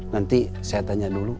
nanti saya tanya dulu